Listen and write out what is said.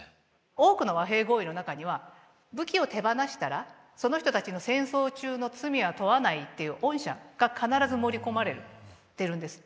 多くの和平合意の中には武器を手放したらその人たちの戦争中の罪は問わないっていう恩赦が必ず盛り込まれてるんです。